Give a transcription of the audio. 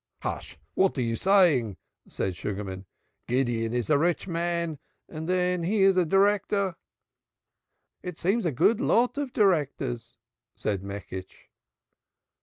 "Hush! what are you saying!" said Sugarman, "Gideon is a rich man, and then he is a director." "It seems a good lot of directors," said Meckisch.